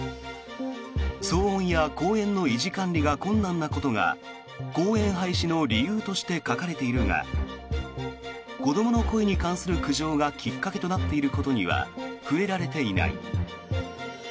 騒音や公園の維持管理が困難なことが公園廃止の理由として書かれているが子どもの声に関する苦情がきっかけとなっていることには触れられていない。